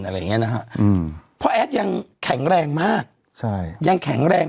อะไรอย่างเงี้นะฮะอืมเพราะแอดยังแข็งแรงมากใช่ยังแข็งแรง